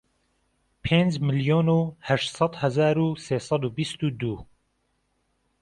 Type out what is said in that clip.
پێنج ملیۆن و هەشت سەد هەزار و سێ سەد و بیست و دوو